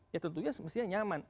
ya tentunya semestinya nyaman